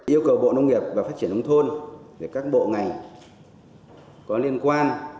yêu cầu bộ nông nghiệp và phát triển nông thôn các bộ ngành có liên quan